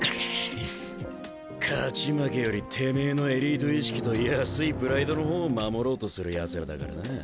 勝ち負けよりてめえのエリート意識と安いプライドの方を守ろうとするやつらだからなあ。